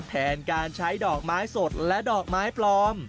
แทนการใช้ดอกไม้สดและดอกไม้ปลอม